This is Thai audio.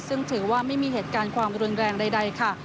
ซึ่งถือว่าไม่มีเหตุการณ์ความรุนแรงใดค่ะ